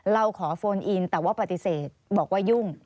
เราขอโฟนอินแต่ว่าปฏิเสธบอกว่ายุ่ง